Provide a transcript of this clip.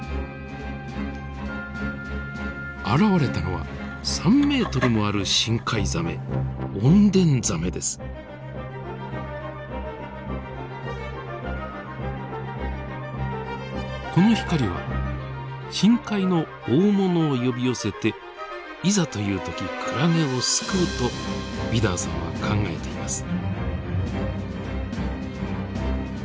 現れたのは３メートルもある深海ザメこの光は深海の大物を呼び寄せていざという時クラゲを救うとウィダーさんは考えています。